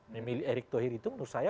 memilih erick thohir itu menurut saya